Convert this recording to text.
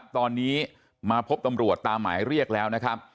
ตอนนี้มาพบตำรวจตามหมายเรียกแล้วนะครับ